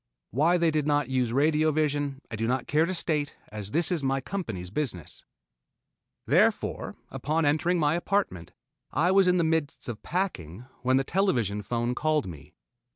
Why they did not use radio vision I do not care to state, as this is my company's business. Therefore, upon entering my apartment, I was in the midst of packing when the television phone called me.